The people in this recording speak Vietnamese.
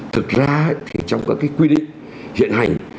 thực ra thì trong các cái quy định hiện hành